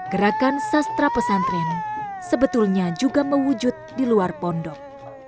gerakan sastra pesantren sebetulnya juga mewujud di luar pondok